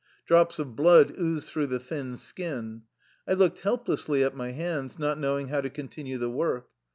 Drops of blood oozed through the thin skin. I looked helplessly at my hands, not knowing how to con tinue the work.